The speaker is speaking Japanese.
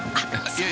いや。